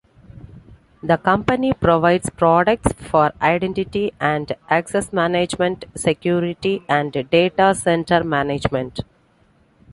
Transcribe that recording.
The company provides products for identity and access management, security and data center management.